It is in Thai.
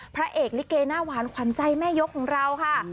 พระเอกลิเกหน้าหวานขวัญใจแม่ยกของเราค่ะ